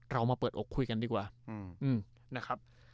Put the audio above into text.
เรามาเปิดอกคุยกันดีกว่า